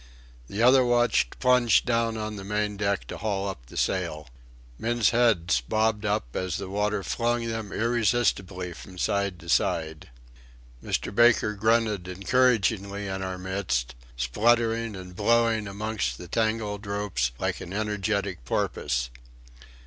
The other watch plunged down on the main deck to haul up the sail. Men's heads bobbed up as the water flung them irresistibly from side to side. Mr. Baker grunted encouragingly in our midst, spluttering and blowing amongst the tangled ropes like an energetic porpoise.